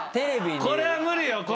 これは無理よ。